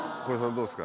どうですか？